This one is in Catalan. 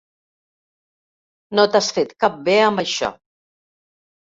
No t'has fet cap bé amb això.